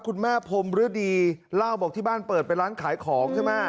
คุณแม่พรมฤดีเล่าบอกที่บ้านเปิดเป็นร้านขายของใช่ไหม